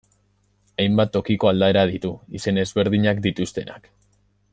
Hainbat tokiko aldaera ditu, izen ezberdinak dituztenak.